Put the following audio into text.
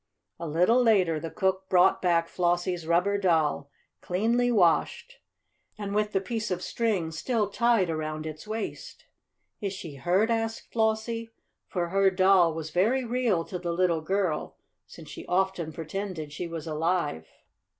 A little later the cook brought back Flossie's rubber doll, cleanly washed, and with the piece of string still tied around its waist. "Is she hurt?" asked Flossie, for her doll was very real to the little girl, since she often pretended she was alive.